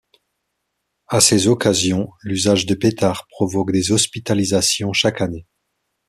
À ces occasions, l'usage de pétards provoque des hospitalisations chaque année.